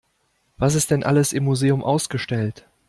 Was ist denn alles im Museum ausgestellt?